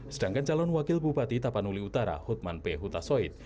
sedangkan calon wakil bupati tapanuli utara hutman p hutasoit